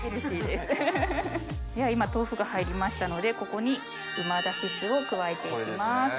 では今豆腐が入りましたのでここに旨だし酢を加えて行きます。